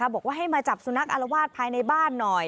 บอกว่าให้มาจับสุนัขอารวาสภายในบ้านหน่อย